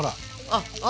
あっあ！